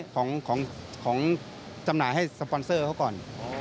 ของจำหน่ายให้สปอนเซอร์เขาก่อน